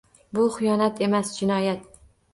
Bu xiyonat emas, jinoyat